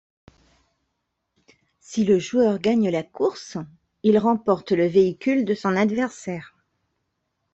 Si le joueur gagne la course, il remporte le véhicule de son adversaire.